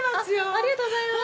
ありがとうございます。